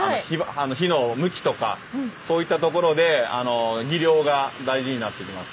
火の向きとかそういったところで技量が大事になってきます。